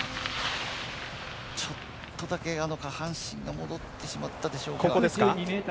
ちょっとだけ、下半身が戻ってしまったでしょうか。